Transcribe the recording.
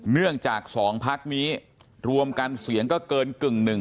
เนื่องจากสองพักนี้รวมกันเสียงก็เกินกึ่งหนึ่ง